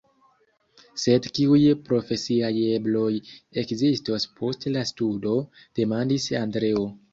Sed kiuj profesiaj ebloj ekzistos post la studo, demandis Andreo.